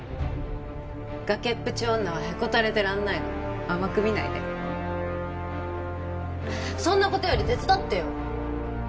崖っぷち女はへこたれてらんないの甘く見ないでそんなことより手伝ってよ